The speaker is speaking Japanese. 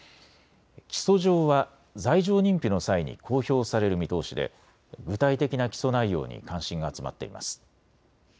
起訴状は罪状認否の際に公表される見通しで具体的な起訴内容に関心が集まっています。